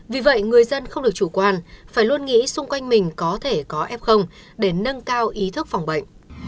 vì vậy người dân không được chủ quan phải luôn nghĩ xung quanh mình có thể có f để nâng cao ý thức phòng bệnh